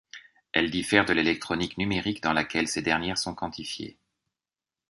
Elle diffère de l'électronique numérique dans laquelle ces dernières sont quantifiées.